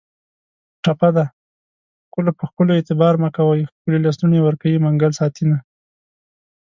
ټپه ده: خکلو په ښکلو اعتبار مه کوی ښکلي لستوڼي ورکوي منګل ساتینه